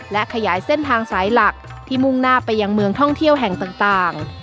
และขยายเส้นทางสายหลักที่มุ่งหน้าไปยังเมืองท่องเที่ยวแห่งต่าง